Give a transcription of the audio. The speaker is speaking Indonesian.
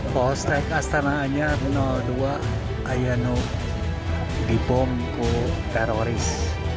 postek astana anyar dua ayanu dibomku teroris